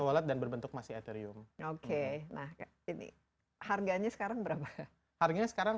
wallet dan berbentuk masih etherium oke nah ini harganya sekarang berapa harganya sekarang